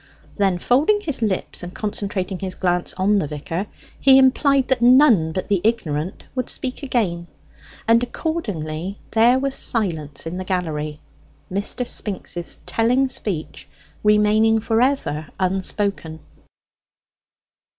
Then folding his lips and concentrating his glance on the vicar, he implied that none but the ignorant would speak again; and accordingly there was silence in the gallery, Mr. Spinks's telling speech remaining for ever unspoken.